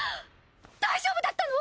大丈夫だったの！？